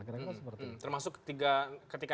kira kira seperti itu termasuk tiga ketika